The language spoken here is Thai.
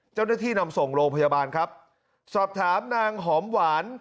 เจ้าหน้าที่นำส่งโรงพยาบาลครับสอบถามนางหอมหวาน